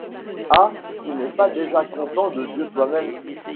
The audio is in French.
Ah ! tu n’es pas déjà content de Dieu toi-même !